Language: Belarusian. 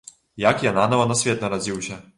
Як я нанава на свет нарадзіўся.